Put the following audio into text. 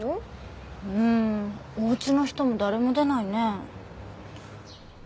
うんおうちの人も誰も出ないね。